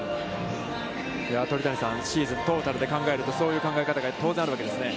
鳥谷さん、シーズントータルで考えると、そういう考え方が当然あるわけですね。